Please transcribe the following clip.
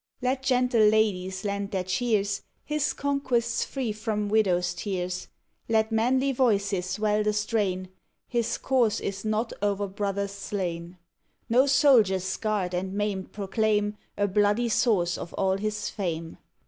Let gentle ladies lend their cheers, His conquest's free from widow's tears; Let manly voices swell the strain, His course is not o'er brother's slain; No soldiers scarred and maimed proclaim A bloody source of all his fame.